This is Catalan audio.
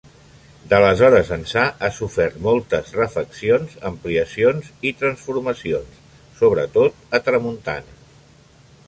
D'aleshores ençà ha sofert moltes refaccions, ampliacions i transformacions, sobretot a tramuntana.